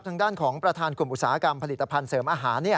ทางด้านของประธานกลุ่มอุตสาหกรรมผลิตภัณฑ์เสริมอาหาร